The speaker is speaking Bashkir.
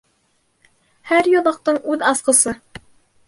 Һәр йоҙаҡтың үҙ асҡысы.